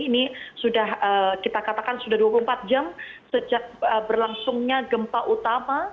ini sudah kita katakan sudah dua puluh empat jam sejak berlangsungnya gempa utama